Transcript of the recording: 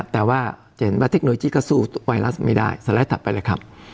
แต่ว่าเทคโนโลยีก็สู้ไวรัสไม่ได้สะและต่อไปเลยครับ